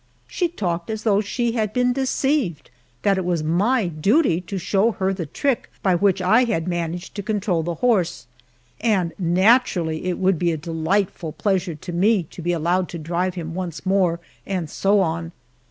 She talked as though she had been deceived that it was my duty to show her the trick by which I had managed to control the horse, and, naturally, it would be a delightful pleasure to me to be allowed to drive him once more, and so on.